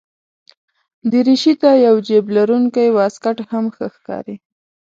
دریشي ته یو جېب لرونکی واسکټ هم ښه ښکاري.